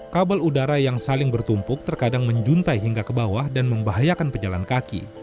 kabel udara yang saling bertumpuk terkadang menjuntai hingga ke bawah dan membahayakan pejalan kaki